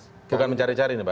bukan mencari cari nih pak